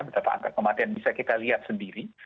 betapa angka kematian bisa kita lihat sendiri